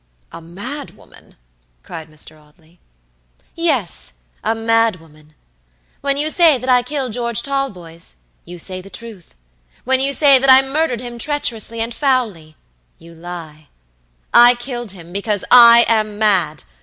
"A mad woman!" cried Mr. Audley. "Yes, a mad woman. When you say that I killed George Talboys, you say the truth. When you say that I murdered him treacherously and foully, you lie. I killed him because I AM MAD!